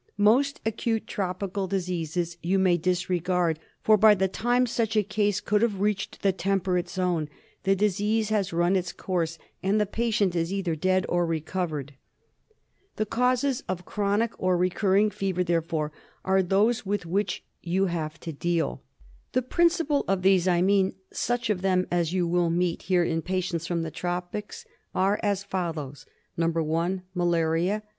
Most acute tropical diseases you may disregard ; for, by the time such a case could have reached the temperate zone, the disease has run its course, and the patient is either dead or recovered. The causes of chronic or DIAGNOSIS OF MALARIA. 1 53 recurring fever, therefore, are those with which you have to deal. The principal of these, I mean such of them as you will meet here in patients from the tropics, are as follows :— (i). Malaria.